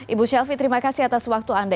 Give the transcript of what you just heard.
ibu shelfie terima kasih atas waktu anda